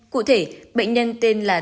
cụ thể bệnh nhân tên là